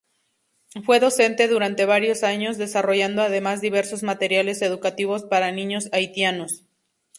Fue docente durante varios años, desarrollando además diversos materiales educativos para niños haitianos.